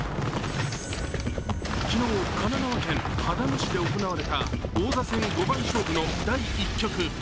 昨日、神奈川県秦野市で行われた王座戦五番勝負の第１局。